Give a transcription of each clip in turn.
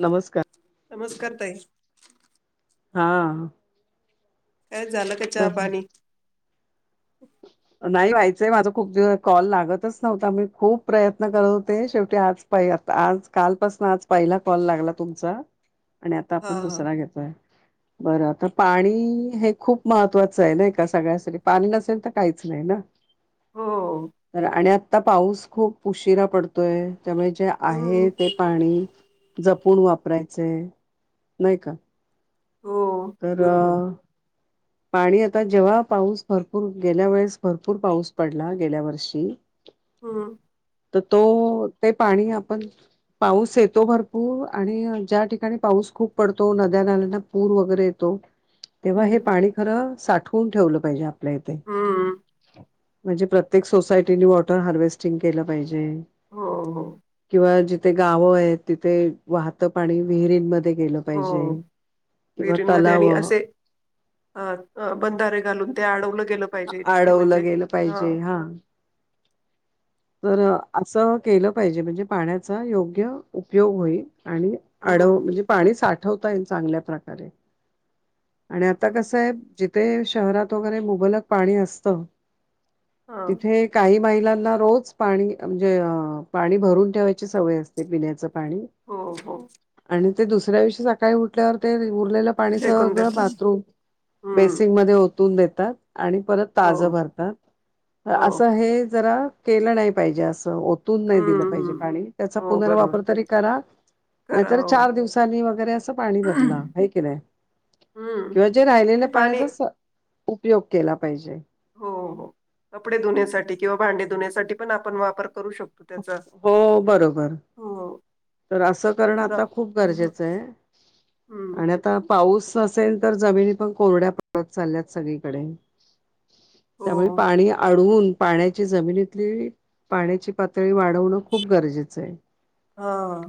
नमस्कार नमस्कार ताई हा काय झालं का चहा पाणी नाही व्हायचंय माझा खूप दिवस कॉल लागतच नव्हता मी खूप प्रयत्न करत होते शेवटी आज आज कालपासून आज पहिला कॉल लागला तुमचा आणि आता हा आपण हा दुसरा घेतोय बरं आता पाणी हे खूप महत्वाचं आहे ना का सगळ्यासाठी पाणी नसेल आता काहीच नाही ना हो तर आणि आ आता पाऊस खूप उशिरा पडतो त्यामुळे जे हम्म आहे ते पाणी जपून वापरायचंय नाही का हो तररा बरोबर पाणी आता जेव्हा पाऊस भरपूर गेल्या वेळेस भरपूर पाऊस पडला गेल्या वर्षी हा तर तो ते पाणी आपण पाऊस येतो भरपूर आणि ज्या ठिकाणी पाऊस खूप पडतो नद्या नाल्यांना पूर वगैरे येतो तेव्हा हे हम्म पाणी साठवून ठेवलं पाहिजे आपल्या येत हम्म म्हणजे, प्रत्येक सोसायटीनी वॉटर हार्वेस्टिंग केलं पाहिजे. ह ह. [unintelligible] जिथे गाव आहेत तिथे वाहत पाणी विहिरीमध्ये ते केलं पाहिजे, हो किंवा विहिरींमध्ये तलाव आणि असे अ अ बंधारे घालून ते अडवलं गेलं पाहिजे तिथे आडवलं म्हणजे गेलं पाहिजे हा. तर असं केलं पाहिजे म्हणजे पाण्याचा योग्य उपयोग होईल. आणि हम्म आडव म्हणजे पाणी साठ आठवता येईल चांगल्या प्रकारे. आणि आता हम्म कस आहे. जिथे शहरात वगैरे मुबलक पाणी असतं. हा तिथे काही महिलांना रोज पाणी म्हणजे, पाणी भरून ठेवायची सवय असते पिण्याच. हो हो. ते दुसऱ्याविषी सकाळी उठल्यावर ते उरलेलं पाणी फेकून सगळं देता बाथरूम, हम्म बेसिंग मध्ये हो तून देतात. आणि परत हो ताज भरतात. हो असं हे जरा केलं नाही पाहिजे असं ओट [unintelligible] नाय हम्म दिलं पाहिजे हम्म पाणी त्याचा हो बरोबर पुनर्वापर तरी करा, खरा नाहीतर हो चार दिवसांनी वगैरे अस पाणी बदला हम्म है का नाई किंवा जे ते राहिलेलं पाणी पाण्याच अस उपयोग केला पाहिजे. हो हो कपडे धुण्यासाठी किंवा भांडे धुण्यासाठी पण आपण वापर करू शकतो त्याचा, हो बरोबर हो. तर असं करणं जरा आता खूप हम्म गरजेचं आहे. हम्म आणि आता पा पाऊस असेल तर जमिनी पण कोरड्या परत चालल्यात सगळीकडे. त्यामुळे हो पाणी अडून पाण्याची जमिनीतली पाण्याची पातळी वाढवणं खूप गरजेचं आहे. हा.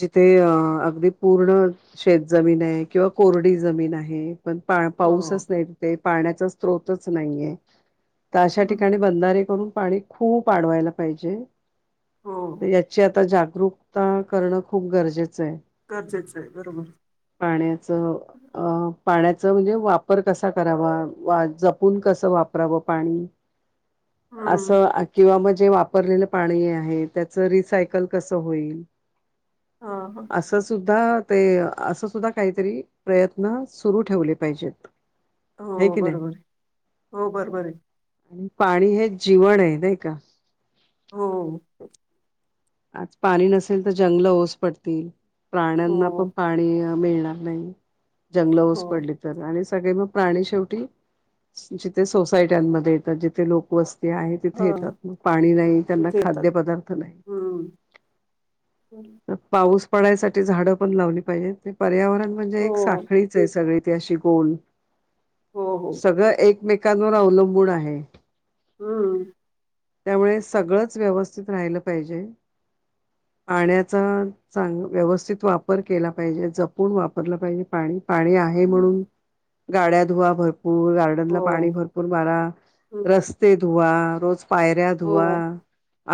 जिथे अ अगदी पूर्ण शेत जमीन आहे किंवा कोरडी जमीन आहे. पण पा हो. पाऊसच नाही ते पाण्याचा स्रोतच नाहीय. त अशा हम्म ठिकाणी बंधारे करू पाणी खूप आडवायला पाहिजे. हो ते याची आता जाग जागरूकता करणं खूप गरजेचं चय गरजेचं आहे बरोबर. पाण्याच अ पाण्यात म्हणजे वापर कसा करावा जपून कस वापरावं पाणी हम्म असं किंवा म जे वापरलेलं पाणी आहे त्याचं रिसायकल कसं होईल? हा हा असं सुद्धा ते असं सुद्धा काहीतरी प्रयत्न सुरु ठेवले पाहिजेत. हे हो की नाही बरोबरय हो बरोबरय आणि पाणी हे जमवण्यात नाही का? होा आज पाणी नसेल तर जंगल ओस पडतील प्राण्यांना हो पण पाणी मिळणार नाही. जंगल ओस हो पडली तर आणि सगळे मग प्राणी शेवटी जिथे सोसायट्यांमध्ये येतात जिथे लोकवस ज आहे हा तिथे येतात मग पाणी नाही त्यांना इथे येतात. खाद्य पदार्थ नाही. हम्म हो पाऊस पडायसाठी झाडं पण लावली पाहिजे. ते पर्यावरण म्हणजे एक साखळीच आहे सगळ. ते शिकून हो हो सगळं एक एकमेकांवर अवलंबून आहे. हम त्यामुळे सगळंच व्यवस्थित राहिलं पाहिजे. पाण्याचा चांग व्यवस्थित वापर केला पाहिजे. जपून वापरलं पाहिजे पाणी. पाणी आहे हम्म, म्हणून गाड्या धुवा भर पूल, गार्डन हो ला पाणी भरपूर मारा, हम्म रस्ते धुवा. रोज पायऱ्या हो धुवा,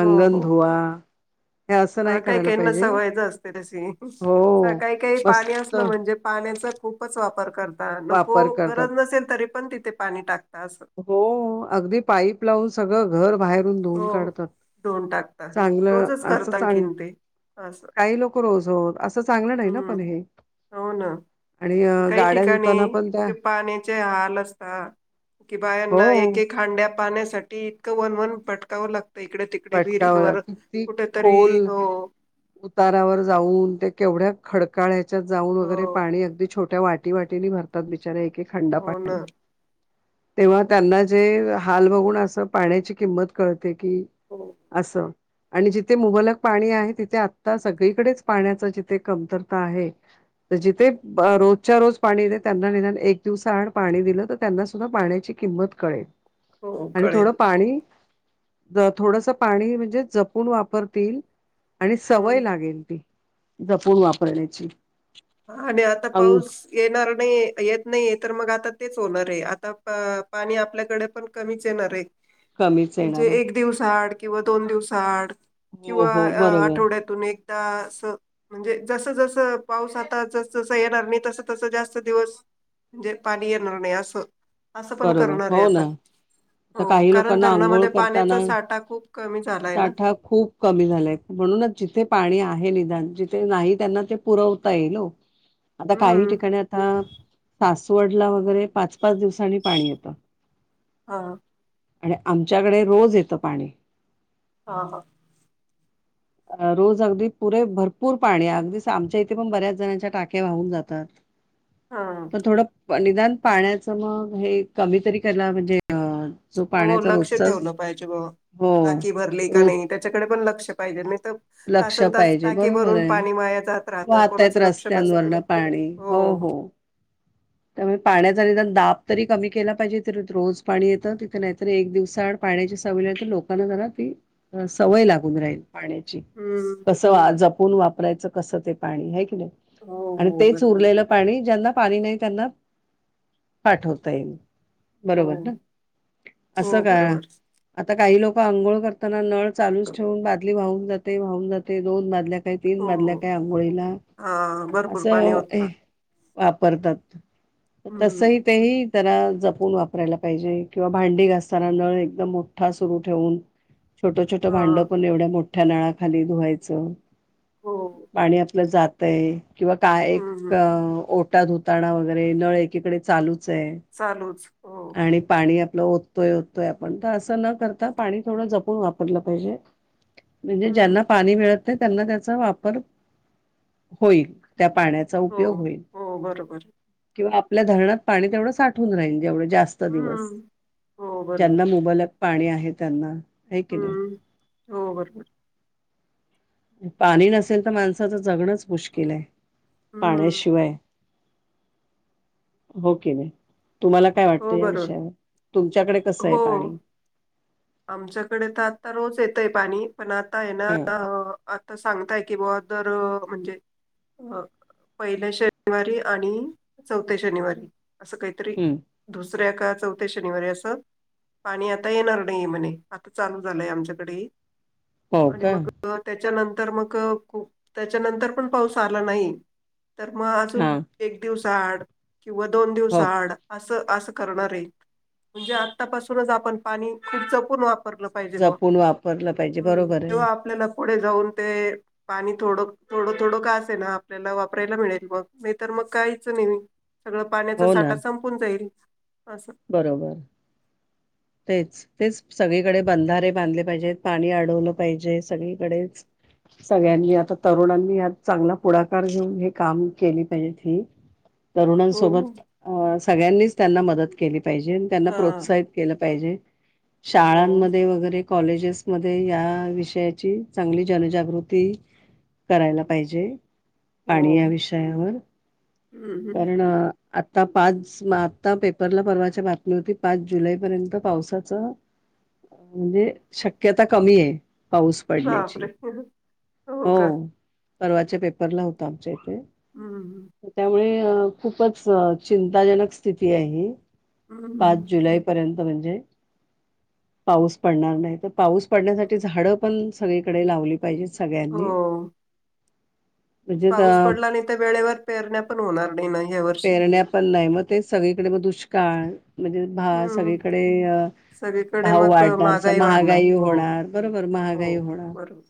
हो अंगण हो. धुवा. हे असं हा नाही काही करायला काहीना पाहिजे सवयचं असते तशी, हो काही काही पाणी मस्त असलं म्हणजे पाण्याचा खूपच वापर करता. नको वापर करतात गरज नसेल तरी पण तिथे पाणी टाकता अस. अगदी पाईप हो सगळं घर बाहेरून धुऊन काढतात. धुऊन टाकता चांगलं अ रोजच करता आणखीन ते. असं लोक रोज हो असं चांगलं नाही ना हम, पण हे हो ना आणि अ, काही गाड्या ठिकाणी धुताना पण त्या इतके पाण्याचे हाल असता की बायाना एक हो एक हंडा पाण्या साठी इतकं वन वन भटकावं लागतं. इकडे तिकडे भटकावा विहिरींवर. लागतं. किती कुठेतरी खोल हो उतारावर जाऊन ते केवढ्या खडकाळ्या त्यात जाऊन हो वगैरे पाणी अगदी छोट्या वाट वाटी वाटीनी भरतात बिचारी एक एक थंड हो ना पाणी तेव्हा त्यांना जे हाल बघून असं पाण्याची किंमत कळते की, हो असं. आणि जिथे मुबलक पाणी आहे. तिथे आता सगळीकडेच पाण्याचा जिथे कमतरता आहे, तर जिथे रोजच्या रोज पाणी त्यांना निदान एक दिवसाआड पाणी दिलं, तर त्यांना सुद्धा पाण्याची किंमत कळेल. हो आणि कळेल थोडं पाणी अ थोडसं पाणी म्हणजे जपून वापरतील. आणि सवय हम्म. लागेल ती. जपून वापरण्याची. आणि आता अंक पाऊस येणार. नाही येत नाही, तर मग आता तेच होणार आहे. आता पाणी आपल्याकडे पण कमीच येणारयं. कमीच म्हणजे येणार आहे एक दिवसाआड किंवा दोन दिवसाड हो किंवा हो बरोबर आठवड्यातून एक - - अ म्हणजे जस जस पाऊसात आ तस येणार नाही तस तस जास्त दिवस म्हणजे पाणी येणार नाही असं. असं पण बरोबर करणार आहे हो आता ना. हो काही कारण लोकांना आंघोळ धरणामध्ये करताना पाण्याचा साठा खूप कमी झालाय ना साठा खूप कमी झालाय म्हणूनच जिथे पाणी आहे - - निदान जिथे नाही त्यांना ते पुरवता येईल ओ आता काही हम्म ठिकाणी आता सास- - वडला वगैरे पाच पाच दिवसां - - पाणी यत. हा आणि आमच्याकडे रोज येतं पाणी. हा अ रोज अगदी पुरे भरपूर पाणी अगदी आमच्या इथे पण बऱ्याच जणांच्या टाक्या वाहून जातात. हा. पण थोडं निदान पाण्याच मग हे कमीतरी कला म्हणजे अ - - हो लक्ष ठेवलं पाहिजे म हो ताकी भरली का रोज नाही त्याच्याकडे पण लक्ष पाहिजे. लक्ष तासन तास पाहिजे टाकी बरोबर भरून आहे पाणी माया जात राहत वाहतायत कोणाचं लक्ष नसत रस्त्यांवरन पाणी हो. ज दाप तरी कमी केला पाहिजे त रोज पाणी येतं तिथं नाहीतर एक दिवसाआड पाण्याची सवय ला तर लोकांना जरा ती सवय लागून राहील पाण्याची हम्म कस जप कोण वापरायचं कसं ते पाणी हाय की नाय हो आणि हो तेच बरोबर उरलेलं पाणी ज्यांना पाणी नाही त्यांना पाठवता येईल हो बरोबर ना असं हो काय बरोबर. आता काही लोक अंघोळ करताना नळ लूच ठेवून बादली वाहून जाते वाहून जाते दोन बादल्या काही तीन बाजल्या हो काही आंघोळीला हा भरपूर पाणी असं होता वापरतात हम्म तसही तेही जरा जप जपुण वापरायला पाहिजे किंवा भांडी घ असताना नळ एकदम मोठा सुरू ठेवून छोट छोटं हा भांड पण एवढ्या मोठ्या नळाखाली धुवायचं हो. पाणी आपलं जात आहे किंवा काय एक हम्म ओ ओटा धुताना वगैरे नळ एकीकडे चालू चालूच हो आणि पाणी आप होतोय होतोय आपण तर असं न करता पाणी थोडं जपून वापरलं पाहिजे म्हणजे हम्म ज्यांना पाणी मिळत ते त्यांना त्याचा वापर होईल त्या पाण्याचा हो उपयोग होईल हो बरोबर किंवा आपल्या धरणात पाणी तेवढं साठव राहील जेवढ जास्त दिवस हम्म हो बरोबर ज्यांना मुबलक पाणी आहे त्यांना आहे की नाही हम्म हो बरोबर पाणी नसेल तर माणसाचं जगणंच मुश्किल आहे हम्म पाण्याशिवाय हो की नाही तुम्हाला काय वाटतं हो या बरोबर विषयावर तुमच्याकडे कसं आहे हो. पाणी आमच्याकडे तर आता रोज येतय पाणी पण आता आहे ना हा अ आता सांगताय की बा दर म्हणजे पहिल्या शनिवारी आणि चौथ्या शनिवारी असं काहीतरी हम्म दुस दऱ्या का चौथ्या शनिवारी अस पाणी आता येणार म्हणे आता चालू झालंय आमच्याकडे हो आणि का मग त्याच्यानंतर तर मगप त्याच्यानंतर पण पाऊस आला नाही तर मग अजून हा एक दिवस आड किंवा दोन दिवस हो आड असं असं म्हणजे आतापासूनच आपण पाणी खूप जपून वाप जपून वापरलं पाहिजे बरोबर किंवा आहे आपल्याला पुढे जाऊन ते पाणी थोडं थोडं थोडं का असे ना आपल्याला वापरायला मिळेल मग नाही तर मग काहीच नाही सगळा पाण्याचा हो ना साठा संपून जाईल असं बरोबर तेच तेच सगळीकडे बंधारे बांधले पाहिजेत पाणी अडवलं पाहिजे सगळीकडेच सगळ्यांनी आता तरुणांनी हत चांगला पुढाकार घेऊन हे काम केले पाहिजे ही हो हो तरुणांसोबत अ सगळ्यांनीच त्यांना मदत केली केली पाहिजे त्यांना हा प्रोत्साहित केलं पाहिजे हो शाळांमध्ये वगैरे कॉलेजेसमध्येध्ये या विषयाची चांगली जनजागृती करायला पाहिजे हो पाणी या विषयावर हम्म हम्म कारण आता पाच आता पे उरला पर्वाच्या बातमी होती पाच जुलै पर्यंत पावसाच म्हणजे शक्यता कमी आहे पाऊस पडण्याची बापरे हो परवाच्या पेपरला होता आमच्या हम्म इथ त्यामुळे खूपच चिंताजनक स्थिती आहे पाच हम्म जुलै पर्यंत म्हण पाऊस पडणार नाही पाऊस पडण्यासाठी झाड पण सगळीकडे लावली पाहिजेत सगळ्यांनी. हो म्हणजे द पाऊस पडला नाही तर वेळेवर पेरण्या पण होणार नाही ना ह वर्षी पेरण्या पण नाही मग ते सगळीकडे मग दुष् काळ म्हणजे भा हम्म सगळीकडे सगळीकडे भाऊ मग वाढणार वाढणार महागाई हो होणार, बरोबर हो महागाई होणार बरोबर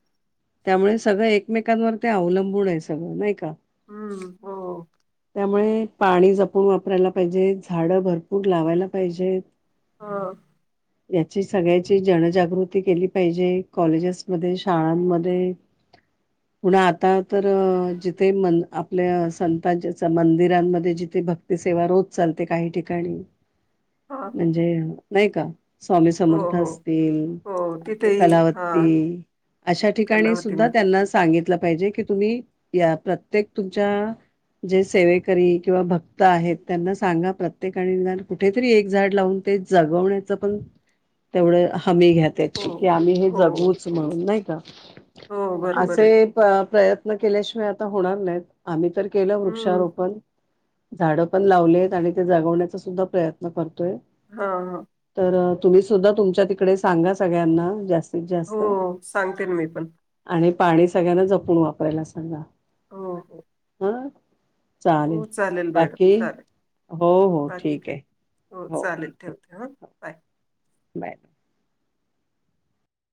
त्यामुळे सगळं एकमेकांवर ते अवलंबून आहे सगळं नाही का. हम्म हो. मुळे पाणी जपून वापरायला पाहिजे, झाड भर पू लावायला पाहिजेत, हम. याची सगळ्याची जनजागृती केली पाहिजे, कॉलेजेसमध्येध्ये, शाळांमध्ये पुन आता तर जिथे मन आपल्या संतां मंदिरांमध्ये जिथे भक्ती सेवा रोज चालते काही ठिकाणी काली हा म्हणजे नाही का. स्वामी हो समर्थ हो असतील, हो आपल्या तिथेही हा कलावती अशा ठिकाणी कलावती सुद्धा मध्ये त्यांना सांगितलं की तुम्ही या प्रत्येक तुमच्या जे सेवेकरी किंवा भक्त आहेत त्यांना सांगा प्र प्र्येान कुठेतरी एक झाड लावून ते जगवण्याचं पण तेवढं हमी घ्या हो याची की आम्ही हे हो जगूच हो म्हणून नाही का. हो बरोबर आहे असे प्रयत्न केल्याशिवाय आता होणार नाही आम्ही तर केलं हम्म वृक्षारोपण झाड पण लावलेत आणि ते जागवण्याचा सुद्धा प्रयत्न करतोय. हा हा. तर तुम्ही सुद्धा तुमच्या तिकडे सांगा सगळ्यांना जास्त हो सांगते ना मी पण. आणि पाणी सगळ्यांना जपून वापरायला सांगा. हो हो. ह. हो चालेल मॅडम बाकी? चालेल हो हो बाकी ठीक काय आहे हो चालेल ठीक ठेवते हं. आहे हो बाय. बाय.